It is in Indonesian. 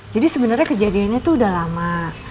jadi sebenernya kejadiannya tuh udah lama